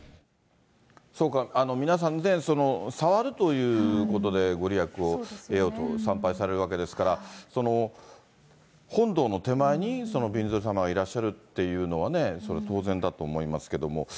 皆さんね、触るということで、ご利益を得ようと、参拝されるわけですから、本堂の手前に、びんずる様がいらっしゃるというのはね、それ、当然だと思いますけれども。